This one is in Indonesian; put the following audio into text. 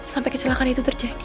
sampai kecelakaan itu terjadi